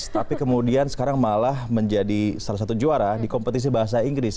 tapi kemudian sekarang malah menjadi salah satu juara di kompetisi bahasa inggris